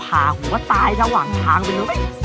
ผ่าหัวตายระหว่างทางไปเลย